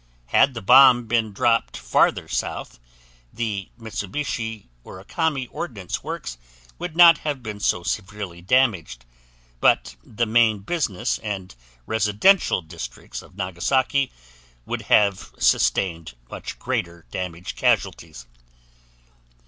Had the bomb been dropped farther south, the Mitsubishi Urakami Ordnance Works would not have been so severely damaged, but the main business and residential districts of Nagasaki would have sustained much greater damage casualties.